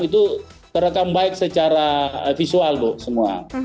itu terekam baik secara visual bu semua